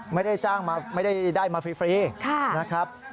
ไม่ได้จ้างมาไม่ได้มาฟรีนะครับ